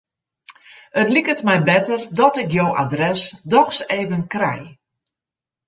It liket my better dat ik jo adres dochs even krij.